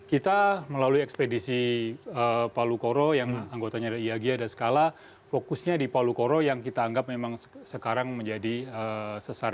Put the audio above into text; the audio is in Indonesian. kita melalui ekspedisi palu koro yang anggotanya ada iagi ada skala fokusnya di palu koro yang kita anggap memang sekarang menjadi sesar